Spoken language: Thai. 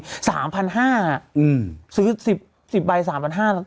๓๕๐๐บาทซื้อ๑๐ใบ๓๕๐๐บาท